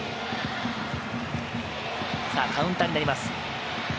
カウンターになります。